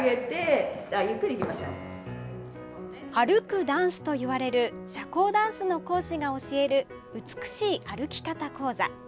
歩くダンスといわれる社交ダンスの講師が教える美しい歩き方講座。